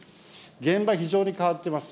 現場、非常に変わっています。